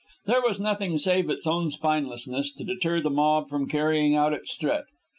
There was nothing save its own spinelessness to deter the mob from carrying out its threat.